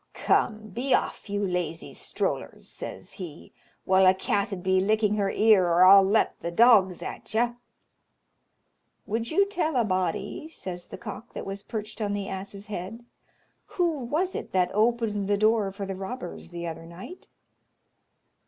"Come, be off, you lazy strollers!" says he, "while a cat 'ud be licking her ear, or I'll let the dogs at you." "Would you tell a body," says the cock that was perched on the ass's head, "who was it that opened the door for the robbers the other night?"